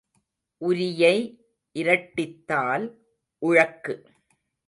உரியை இரட்டித்தால் உழக்கு.